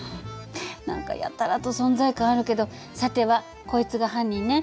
何かやたらと存在感あるけどさてはこいつが犯人ね。